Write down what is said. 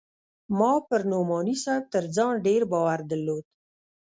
ما پر نعماني صاحب تر ځان ډېر باور درلود.